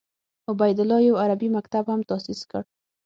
عبیدالله یو عربي مکتب هم تاسیس کړ.